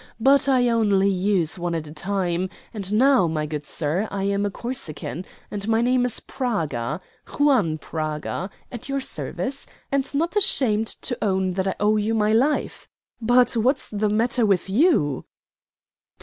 But I only use one at a time, and now, my good sir, I am a Corsican, and my name is Praga Juan Praga, at your service, and not ashamed to own that I owe you my life. But what's the matter with you?"